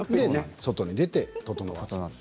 外に出て、整って。